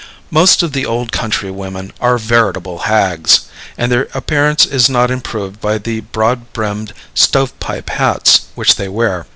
Most of the old country women are veritable hags, and their appearance is not improved by the broad brimmed stove pipe hats which they wear.